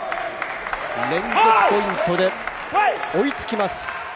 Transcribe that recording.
連続ポイントで追いつきます。